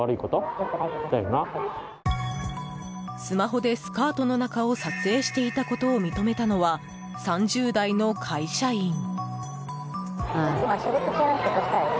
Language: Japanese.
スマホでスカートの中を撮影していたことを認めたのは３０代の会社員。